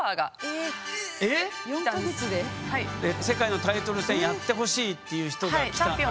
世界のタイトル戦やってほしいっていう人が現れた？